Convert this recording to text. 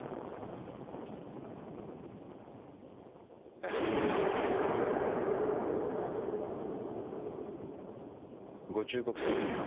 えっご忠告というのは？